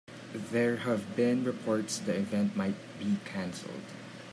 There have been reports the event might be canceled.